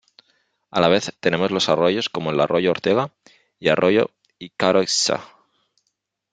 A la vez tenemos los arroyos como el Arroyo Ortega y Arroyo Ykãrõ`ysa.